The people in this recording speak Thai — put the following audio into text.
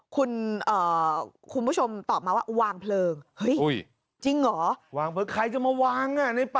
คุณผู้ชมตอบมาว่าวางเพลิง